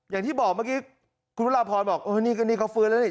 อย่างที่บอกเมื่อกี้คุณพระราพรบอกเออนี่ก็นี่เขาฟื้นแล้วนี่